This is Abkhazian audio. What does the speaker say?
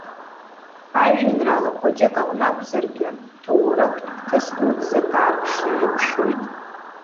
Ажәеинраала хәыҷык аҟны акәзаргьы, ҭоурыхтә хҭыс дуӡӡак аарԥшра илшоит.